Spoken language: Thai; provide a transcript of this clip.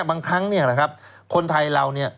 บางครั้งคนไทยเหล่านี้